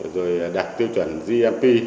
rồi đạt tiêu chuẩn gmp